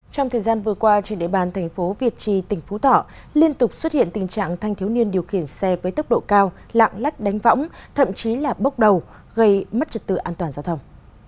trong thời gian vừa qua trên địa bàn thành phố việt trì tỉnh phú thọ liên tục xuất hiện tình trạng thanh thiếu niên điều khiển xe với tốc độ cao lạng lách đánh võng thậm chí là bốc đầu gây mất trật tự an toàn giao thông